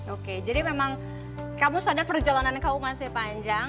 oke jadi memang kamu sadar perjalanan kamu masih panjang